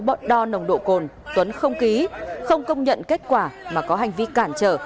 tổ công tác đo nồng độ cồn tuấn không ký không công nhận kết quả mà có hành vi cản trở